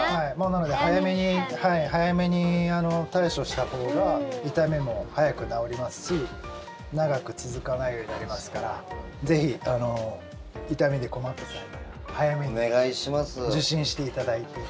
なので早めに対処したほうが痛みも早く治りますし長く続かないようになりますからぜひ痛みで困った際早めに受診していただいて。